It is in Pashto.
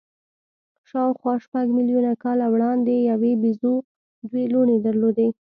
شاوخوا شپږ میلیونه کاله وړاندې یوې بیزو دوې لوڼې درلودې.